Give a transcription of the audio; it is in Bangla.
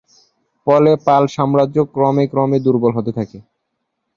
ফলে পাল সাম্রাজ্য ক্রমে ক্রমে দুর্বল হতে থাকে।